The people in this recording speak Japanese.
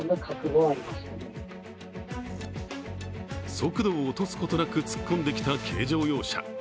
速度を落とすことなく突っ込んできた軽乗用車。